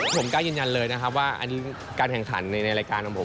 ผมกล้ายืนยันเลยนะครับว่าอันนี้การแข่งขันในรายการของผม